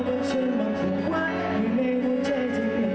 ไม่ไหวใจจะยังไงฉัน